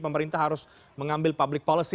pemerintah harus mengambil public policy